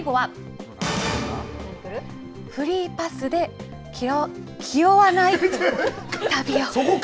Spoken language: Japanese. そして最後は、フリーパスで気負わない旅を！